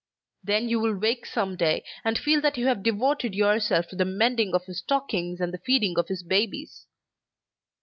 Then you will wake some day, and feel that you have devoted yourself to the mending of his stockings and the feeding of his babies."